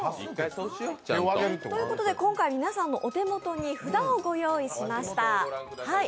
ということで今回、皆さんのお手元に札をご用意しました。